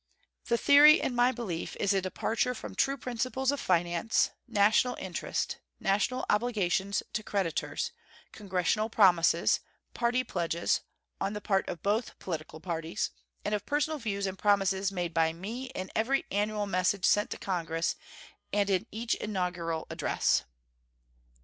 The theory, in my belief, is a departure from true principles of finance, national interest, national obligations to creditors, Congressional promises, party pledges (on the part of both political parties), and of personal views and promises made by me in every annual message sent to Congress and in each inaugural address.